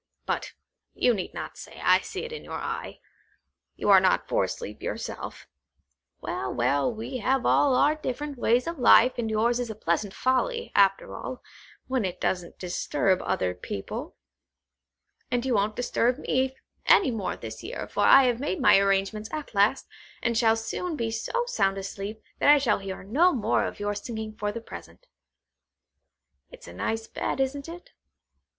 But you need not say; I see it in your eye. You are not for sleep yourself. Well, well, we have all our different ways of life, and yours is a pleasant folly, after all, when it doesn't disturb other people. And you won't disturb me any more this year, for I have made my arrangements at last, and shall soon be so sound asleep, that I shall hear no more of your singing for the present. It's a nice bed, isn't it?